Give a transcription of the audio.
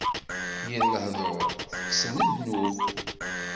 Yir lehduṛ, tekksen ddnub;